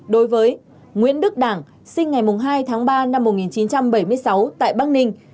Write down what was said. đối với nguyễn đức đảng sinh ngày hai tháng ba năm một nghìn chín trăm bảy mươi sáu tại bắc ninh